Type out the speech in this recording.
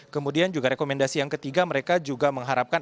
kemudian juga rekomendasi yang ketiga mereka juga mengharapkan